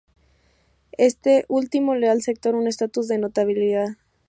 Esto último le da al sector un estatus de notabilidad.